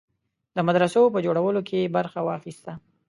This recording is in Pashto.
د مدرسو په جوړولو کې برخه واخیسته.